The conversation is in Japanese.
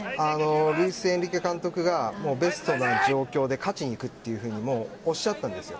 ルイス・エンリケ監督がベストの状況で勝ちにいくというふうにもうおっしゃったんですよ。